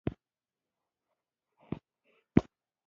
قانع صاحب جنډه درڅخه هېره شوه.